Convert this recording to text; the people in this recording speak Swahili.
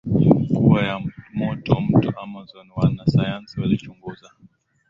kuwa ya moto Mto Amazon Wanasayansi walichunguza